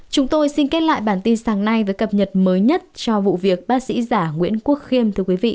chúng tôi xin kết lại bản tin sáng nay với cập nhật mới nhất cho vụ việc bác sĩ giả nguyễn quốc khiêm